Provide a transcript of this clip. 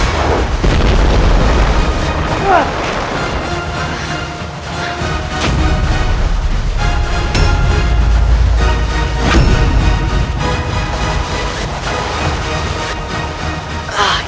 malah kematianmu di atas